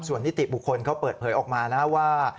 ส่วนนิติบุคคลเขาเปิดเผยออกมานะว่า